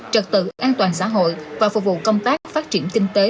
trật tự an toàn xã hội và phục vụ công tác phát triển kinh tế